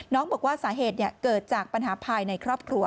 บอกว่าสาเหตุเกิดจากปัญหาภายในครอบครัว